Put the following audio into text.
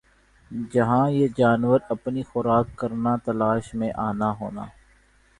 جَہاں یِہ جانور اپنی خوراک کرنا تلاش میں آنا ہونا